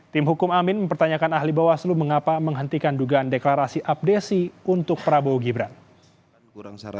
tim hukum amin mempertanyakan ahli bawaslu mengapa menghentikan dugaan deklarasi abdesi untuk prabowo gibran